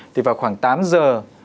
thì vào khoảng tám giờ